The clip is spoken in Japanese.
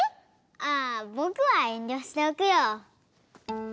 ああぼくはえんりょしておくよ。